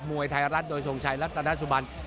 มวยไทยรัฐโดยทรงชัยรัตนสุบัน